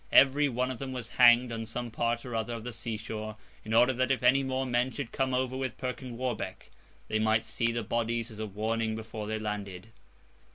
Every one of them was hanged on some part or other of the sea shore; in order, that if any more men should come over with Perkin Warbeck, they might see the bodies as a warning before they landed.